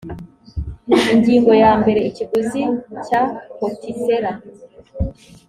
ingingo ya mbere ikiguzi cya potisera